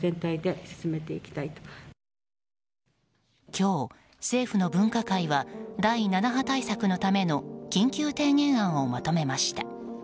今日、政府の分科会は第７波対策のための緊急提言案をまとめました。